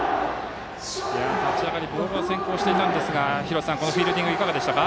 立ち上がりボールが先行していましたが廣瀬さん、フィールディングはいかがでしたか。